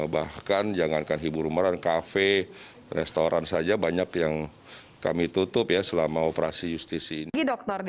bahkan jangankan hibur umeran kafe restoran saja banyak yang kami tutup ya selama operasi justisi ini